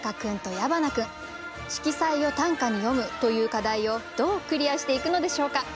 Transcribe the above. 「色彩を短歌に詠む」という課題をどうクリアしていくのでしょうか？